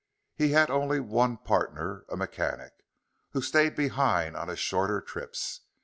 He had only one partner, a mechanic, who stayed behind on his shorter trips.